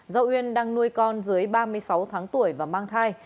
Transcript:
do uyên đang nuôi con dưới ba mươi sáu tháng tuổi và mang thai